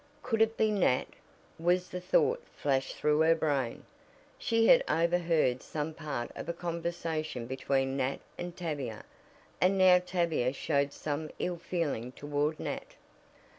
"Could it be Nat?" was the thought flashed through her brain. She had overheard some part of a conversation between Nat and Tavia, and now Tavia showed some ill feeling toward Nat.